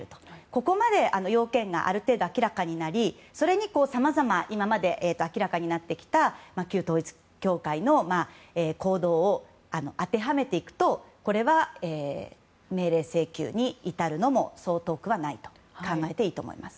ここまで要件がある程度、明らかになりそれにさまざま今まで明らかになってきた旧統一教会の行動を当てはめていくとこれは、命令請求に至るのはそう遠くはないと考えていいと思います。